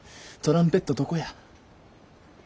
トランペットどこや？